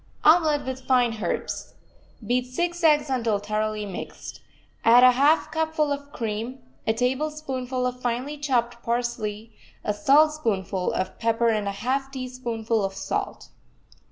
OMELET WITH FINE HERBS Beat six eggs until thoroughly mixed. Add a half cupful of cream, a tablespoonful of finely chopped parsley, a saltspoonful of pepper and a half teaspoonful of salt.